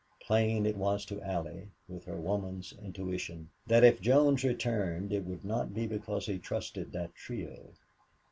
Plain it was to Allie, with her woman's intuition, that if Jones returned it would not be because he trusted that trio.